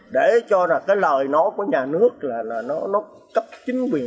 để cho cái lời nói của nhà nước là nó cấp chính quyền